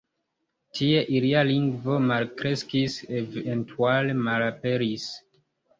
Tie ilia lingvo malkreskis eventuale malaperis.